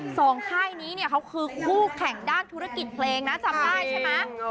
ค่ายนี้เนี่ยเขาคือคู่แข่งด้านธุรกิจเพลงนะจำได้ใช่ไหม